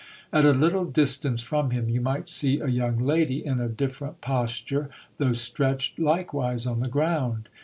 At a little distance from him you might see a young lady in a different posture, though stretched likewise on the ground.